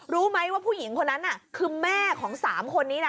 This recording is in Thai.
รู้ไหมว่าผู้หญิงคนนั้นคือแม่ของ๓คนนี้นะ